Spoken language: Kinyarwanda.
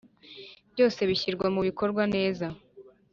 Byose bishyirwa mu bikorwa neza